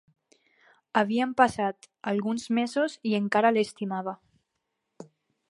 Havien passat alguns mesos i encara l'estimava.